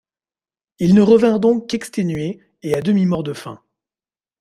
Ils ne revinrent donc qu’exténués et à demi morts de faim.